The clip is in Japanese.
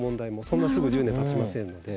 そんなすぐ１０年たちませんので。